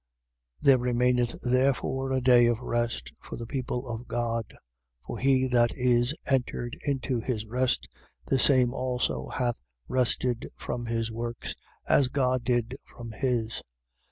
There remaineth therefore a day of rest for the people of God. 4:10. For he that is entered into his rest, the same also hath rested from his works, as God did from his.